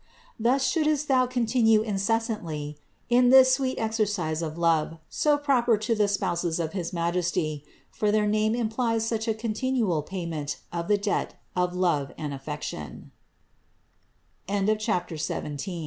Thus shouldst thou continue incessantly in this sweet exercise of love, so proper to the spouses of his Majesty; for their name implies such a continual payment of the debt of love and affecti